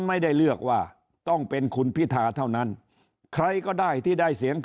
ไม่ได้เลือกว่าต้องเป็นคุณพิธาเท่านั้นใครก็ได้ที่ได้เสียง